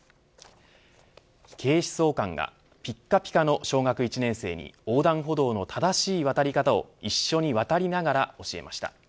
警視総監がぴっかぴかの小学１年生に横断歩道の渡り方を一緒に渡りながら教えました。